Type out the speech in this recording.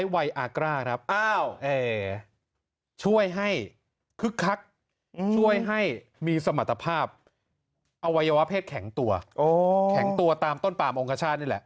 อวัยวะเพศแข็งตัวอ๋อแข็งตัวตามต้นปลาบองค์กระชาตินี่แหละ